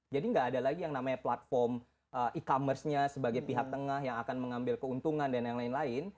jadi tidak ada lagi yang namanya platform e commerce nya sebagai pihak tengah yang akan mengambil keuntungan dan lain lain